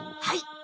はい。